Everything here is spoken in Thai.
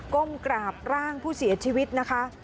ก้มกราบร่างผู้เสียชีวิตนะคะ